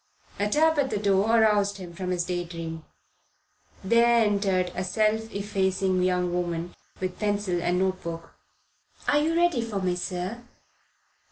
A tap at the door aroused him from his day dream. There entered a self effacing young woman with pencil and notebook. "Are you ready for me, sir?"